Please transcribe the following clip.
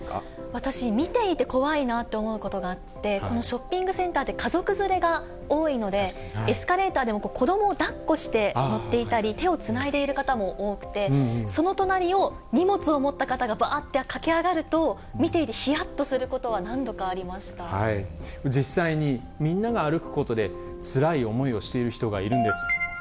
私、見ていて怖いなと思うことがあって、このショッピングセンターって家族連れが多いので、エスカレーターでも子どもをだっこして乗っていたり、手をつないでいる方も多くて、その隣を荷物を持った方がばーって駆け上がると、見ていてひやっ実際に、みんなが歩くことでつらい思いをしている人がいるんです。